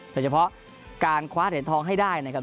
แต่เฉพาะการคว้าเหนือเทียดทองให้ได้นะครับ